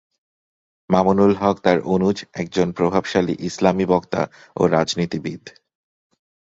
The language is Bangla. মামুনুল হক তার অনুজ, একজন প্রভাবশালী ইসলামি বক্তা ও রাজনীতিবিদ।